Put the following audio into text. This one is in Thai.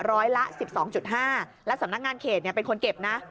ร้อยละ๑๒๕และสำนักงานเขตเป็นคนเก็บนะ